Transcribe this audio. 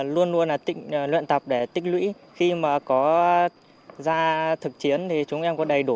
luôn luôn luyện tập để tích lũy khi mà có ra thực chiến thì chúng em có đầy đủ